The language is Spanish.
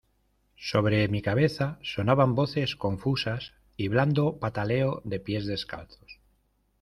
sobre mi cabeza sonaban voces confusas y blando pataleo de pies descalzos